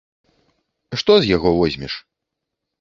Што з яго возьмеш?